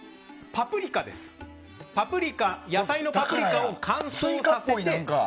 野菜のパプリカを乾燥させたものです。